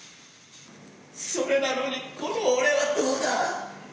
それなのに、この俺はどうだ。